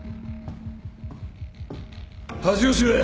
恥を知れ！